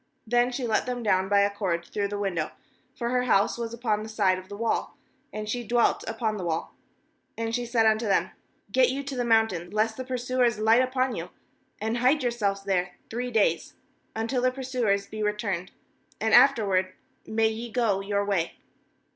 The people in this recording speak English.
15Then she let them down by a cord through the window; for her house was upon the side of the wall, and she dwelt upon the wall. 16And she said unto them :' Get you to the mountain, lest the pursuers light upon you; and hide yourselves there three days, until the pursuers be returned; and ' afterward may ye go your way.'